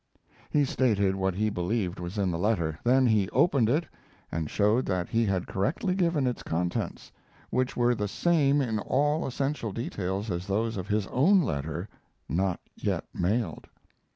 He stated what he believed was in the letter. Then he opened it and showed that he had correctly given its contents, which were the same in all essential details as those of his own letter, not yet mailed.